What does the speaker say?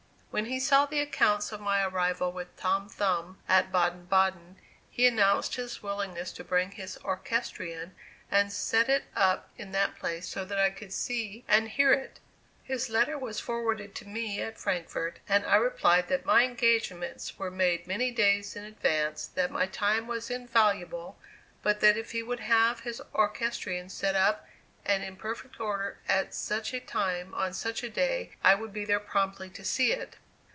When he saw the accounts of my arrival with Tom Thumb at Baden Baden, he announced his willingness to bring his orchestrion and set it up in that place so that I could see and hear it. His letter was forwarded to me at Frankfort and I replied that my engagements were made many days in advance, that my time was invaluable, but that if he would have his orchestrion set up and in perfect order at such a time on such a day I would be there promptly to see it.